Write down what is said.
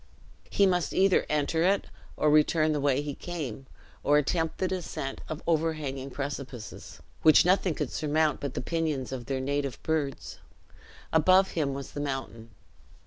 He must either enter it or return the way he came, or attempt the descent of overhanging precipices, which nothing could surmount but the pinions of their native birds. Above him was the mountain.